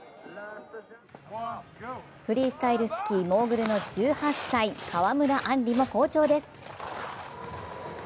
フリースタイルスキー・モーグルの１８歳、川村あんりも好調です。